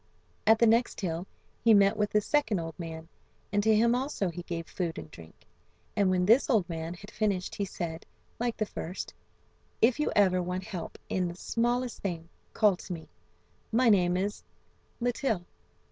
At the next hill he met with the second old man, and to him also he gave food and drink. And when this old man had finished he said, like the first: "If you ever want help in the smallest thing call to me. My name is Litill."